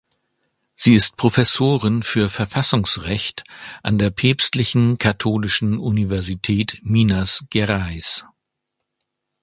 Sie ist Professorin für Verfassungsrecht an der Päpstlichen Katholischen Universität Minas Gerais.